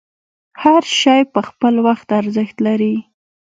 هر شی په خپل وخت ارزښت لري.